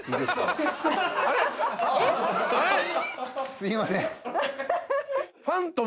すいません。